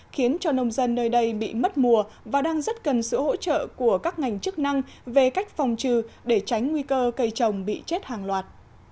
khiến cho nông dân nơi đây bị mất mùa và đang rất cần sự hỗ trợ của các ngành chức năng về cách phòng trừ để tránh nguy cơ cây trồng bị chết hàng loạt